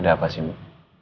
ada apa sih mak